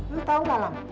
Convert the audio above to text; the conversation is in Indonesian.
lu tau lah mak